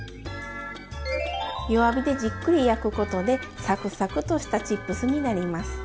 弱火でじっくり焼くことでサクサクとしたチップスになります。